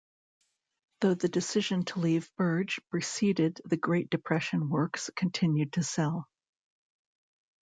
Though the decision to leave Birge preceded the Great Depression works continued to sell.